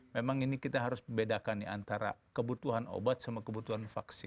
memang ini kita harus membedakan antara kebutuhan obat sama kebutuhan vaksin